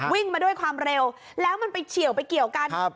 วิ่งมาด้วยความเร็วแล้วมันไปเฉียวไปเกี่ยวกัน